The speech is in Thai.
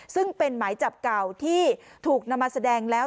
ซึ่งเป็นหมายจับเก่าที่ถูกนำมาแสดงแล้ว